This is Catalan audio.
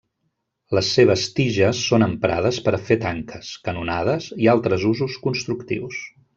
Les seves tiges són emprades per a fer tanques, canonades i altres usos constructius.